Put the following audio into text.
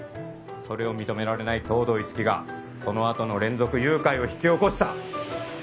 それを認められない東堂樹生がそのあとの連続誘拐を引き起こした！